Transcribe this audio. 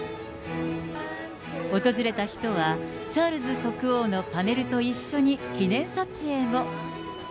訪れた人は、チャールズ国王のパネルと一緒に記念撮影も。